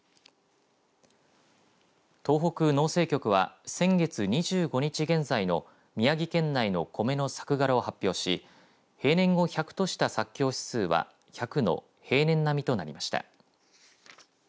東北農政局は先月２５日現在の宮城県内のコメの作柄を発表し平年を１００とした作況指数は１００の平年並みとなりました。